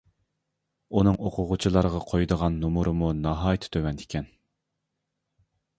ئۇنىڭ ئوقۇغۇچىلارغا قويىدىغان نومۇرىمۇ ناھايىتى تۆۋەن ئىكەن.